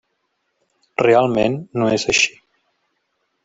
Realment no és així.